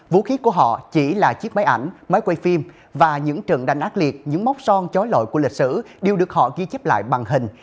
vũ khí của họ chỉ là chiếc máy ảnh máy quay phim và những trận đánh ác liệt những mốc son trói lọi của lịch sử đều được họ ghi chép lại bằng hình